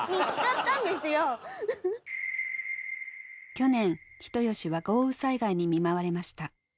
去年人吉は豪雨災害に見舞われました。